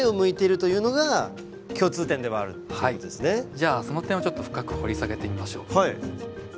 じゃあその点をちょっと深く掘り下げてみましょう。